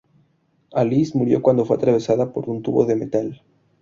Alice murió cuando fue atravesada por un tubo de metal.